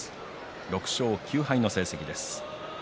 ６勝９敗の成績です。